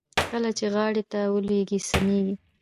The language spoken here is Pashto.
کله چې غاړې ته ولوېږي سميږي.